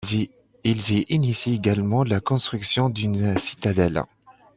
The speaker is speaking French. Il y initie également la construction d'une citadelle.